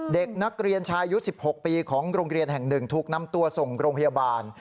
เด็กนักเรียนชายอายุ๑๖ปีของโรงเรียนแห่งหนึ่งถูกนำตัวส่งโรงพยาบาล